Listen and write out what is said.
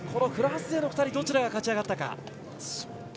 フランス勢の２人のどちらが勝ち上がったか。